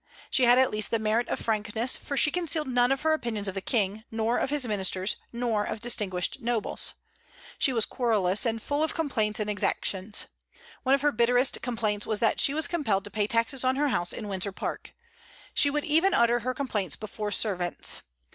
She had at least the merit of frankness, for she concealed none of her opinions of the King, nor of his ministers, nor of distinguished nobles. She was querulous, and full of complaints and exactions. One of her bitterest complaints was that she was compelled to pay taxes on her house in Windsor Park. She would even utter her complaints before servants.